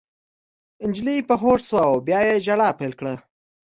نجلۍ په هوښ شوه او بیا یې ژړا پیل کړه